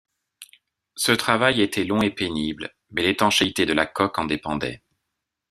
Ce travail était long et pénible mais l'étanchéité de la coque en dépendait.